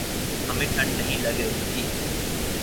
ہمیں ٹھنڈ نہیں لگ رہی تھی۔